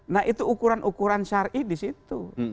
nah itu ukuran ukuran syari di situ